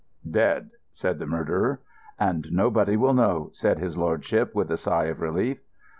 "Dead," said the murderer. "And nobody will know," said his lordship, with a sigh of relief.